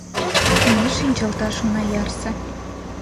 — Ме шинчылташ она ярсе.